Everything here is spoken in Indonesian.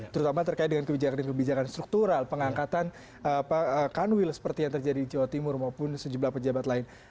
terutama terkait dengan kebijakan kebijakan struktural pengangkatan kanwil seperti yang terjadi di jawa timur maupun sejumlah pejabat lain